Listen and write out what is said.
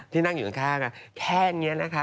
นั่งอยู่ข้างแค่นี้นะคะ